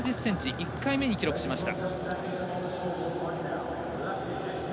１回目に記録しました。